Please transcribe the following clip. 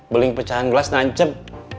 beling pecahan gelas nancep